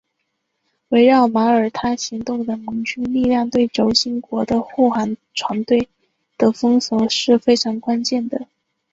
围绕马耳他行动的盟军力量对轴心国的护航船队的封锁是非常关键的。